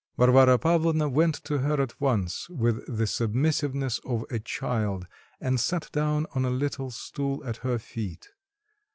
Varvara Pavlovna went to her at once with the submissiveness of a child, and sat down on a little stool at her feet.